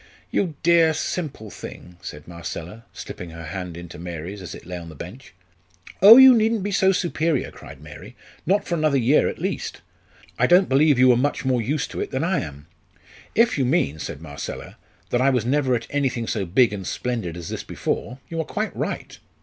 "You dear, simple thing!" said Marcella, slipping her hand into Mary's as it lay on the bench. "Oh, you needn't be so superior!" cried Mary, "not for another year at least. I don't believe you are much more used to it than I am!" "If you mean," said Marcella, "that I was never at anything so big and splendid as this before, you are quite right."